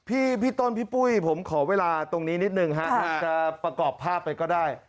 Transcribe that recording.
พี่ต้นพี่ปุ้ยผมขอเวลาตรงนี้นิดนึงฮะจะประกอบภาพไปก็ได้